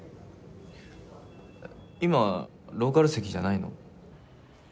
今ローカル席じゃないの？